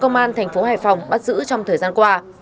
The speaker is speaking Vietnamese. cơ quan công an thành phố hải phòng bắt giữ trong thời gian qua